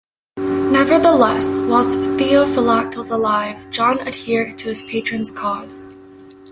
Nevertheless, whilst Theophylact was alive, John adhered to his patron's cause.